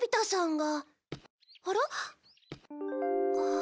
あら？